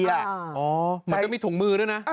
เหมือนกับมีถุงมือด้วยนะ